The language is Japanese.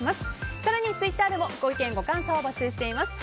更にツイッターでもご意見、ご感想を募集しています。